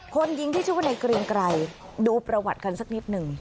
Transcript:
คนยิงที่ชื่อว่าในเกรียงไกรดูประวัติกันสักนิดหนึ่ง